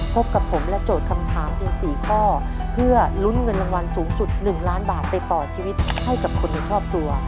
พบกับผมและโจทย์คำถามเพียง๔ข้อเพื่อลุ้นเงินรางวัลสูงสุด๑ล้านบาทไปต่อชีวิตให้กับคนในครอบครัว